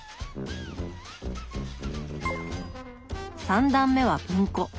３段目は文庫。